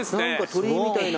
・鳥居みたいな。